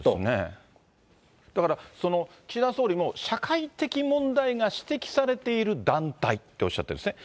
だからその岸田総理も、社会的問題が指摘されている団体っておっしゃってるんですね。